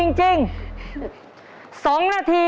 กล่อข้าวหลามใส่กระบอกภายในเวลา๓นาที